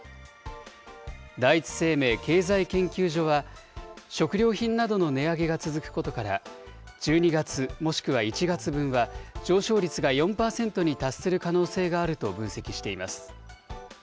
第一生命経済研究所は、食料品などの値上げが続くことから、１２月もしくは１月分は、上昇率が４％に達する可能性があると分析しています。